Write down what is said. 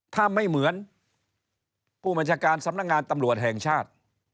ถ้าไม่เหมือนผู้บัญชาการสำนักงานตำรวจแห่งชาติ